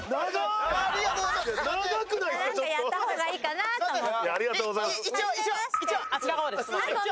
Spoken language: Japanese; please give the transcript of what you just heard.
やった方がいいかなと思って。